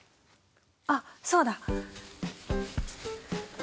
あっそうだ！